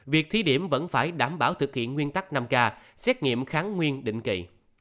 việc thí điểm vẫn phải đảm bảo thực hiện nguyên tắc năm k xét nghiệm kháng nguyên định kỳ